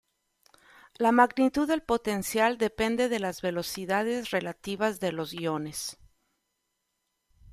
La magnitud del potencial depende de las velocidades relativas de los iones.